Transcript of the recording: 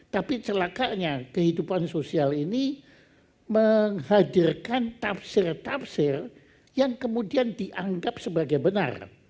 tapi celakanya kehidupan sosial ini menghadirkan tafsir tafsir yang kemudian dianggap sebagai benar